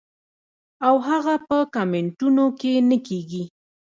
او هغه پۀ کمنټونو کښې نۀ کيږي -